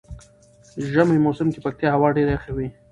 ژمی موسم کې پکتيا هوا ډیره یخه وی.